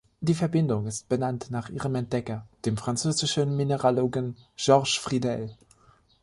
Die Verbindung ist benannt nach ihrem Entdecker, dem französischen Mineralogen Georges Friedel.